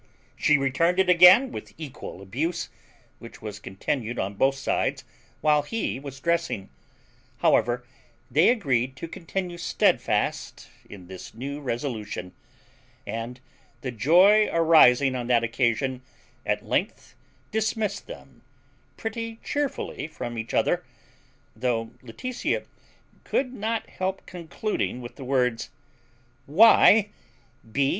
She returned it again with equal abuse, which was continued on both sides while he was dressing. However, they agreed to continue steadfast in this new resolution; and the joy arising on that occasion at length dismissed them pretty chearfully from each other, though Laetitia could not help concluding with the words, why b ch?